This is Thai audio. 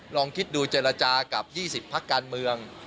ลองคิดดูเจรจากับ๒๐พักการเมือง